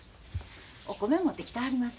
お米持ってきてはります？